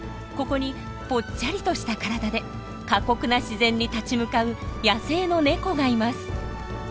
ここにぽっちゃりとした体で過酷な自然に立ち向かう野生のネコがいます。